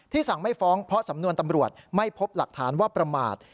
สั่งไม่ฟ้องเพราะสำนวนตำรวจไม่พบหลักฐานว่าประมาท